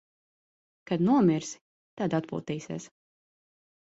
Kad nomirsi, tad atpūtīsies.